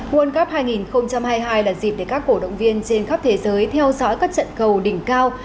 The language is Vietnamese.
world cup hai nghìn hai mươi hai là dịp để các cổ động viên trên khắp thế giới theo dõi các trận cầu đỉnh cao